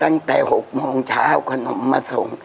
ตั้งแต่๖โมงเช้าขนมมาส่ง